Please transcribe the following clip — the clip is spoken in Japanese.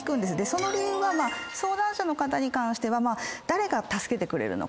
その理由は相談者の方に関しては誰が助けてくれるのか？